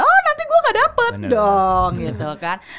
oh nanti gue gak dapet dong gitu kan